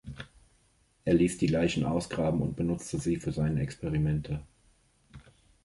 Er ließ die Leichen ausgraben und benutzte sie für seine Experimente.